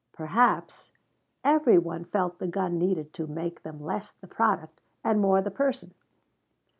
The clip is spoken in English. Perhaps every one felt the gun need to make them less the product and more the person.